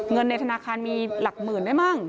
เงินในธนาคารมีหลักหมื่นได้มั่ง